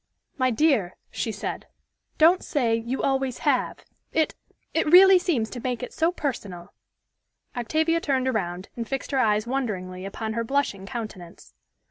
"My dear," she said, "don't say 'you always have;' it it really seems to make it so personal." Octavia turned around, and fixed her eyes wonderingly upon her blushing countenance.